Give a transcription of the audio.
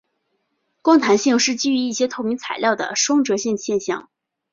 光弹性是基于一些透明材料的双折射现象。